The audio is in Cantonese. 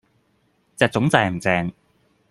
隻糉正唔正